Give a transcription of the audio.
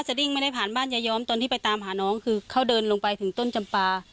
ดิ้งไม่ได้ผ่านบ้านยายอมตอนที่ไปตามหาน้องคือเขาเดินลงไปถึงต้นจำปลา